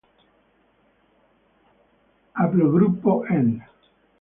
Aplogruppo N